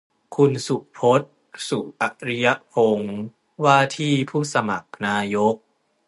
คุณสุพจน์ สุอริยพงษ์ ว่าที่ผู้สมัครนายก